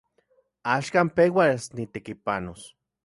Axkan peuas nitekipanos.